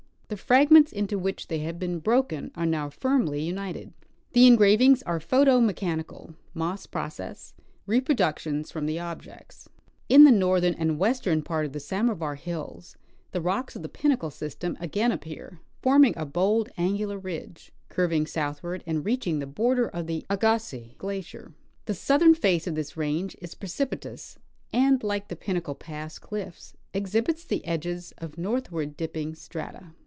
The fragments into which they have been broken are now firmly united. The engravings are photo mechanical (Moss process) reproductions from the objects. In the northern and western part of the Samovar hills the rocks of the Pinnacle system again apj^ear, forming a bold angu lar ridge, curving southward and reaching the border of the Agassiz glacier. The southern face of this range is precipitous and, like the Pinnacle pass clifis, exhibits the edges of northward cli]Dping strata.